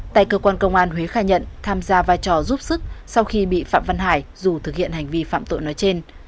tại cơ quan công an huế khai nhận tham gia vai trò giúp sức sau khi bị phạm văn hải dù thực hiện hành vi phạm tội nói trên